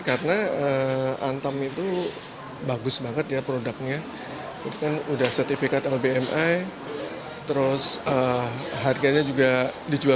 karena antam itu bagus banget ya produknya dan udah sertifikat lbmi terus harganya juga dijual